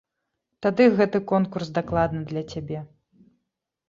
Тады гэты конкурс дакладна для цябе!